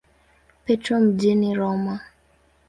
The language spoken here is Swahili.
Petro mjini Roma.